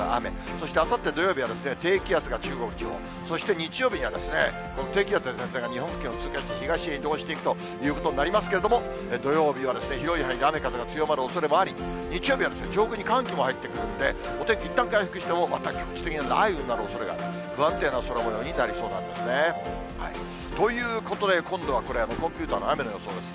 そしてあさって土曜日は低気圧が中国地方、そして日曜日には低気圧や前線が日本付近を通過して東へ移動していくということになりますけれども、土曜日は広い範囲で雨風が強まるおそれがあり、日曜日は上空に寒気も入ってくるんで、お天気いったん回復しても、また局地的な雷雨になるおそれがあり、不安定な空もようになりそうなんですね。ということで、今度はこれ、コンピューターの雨の予想です。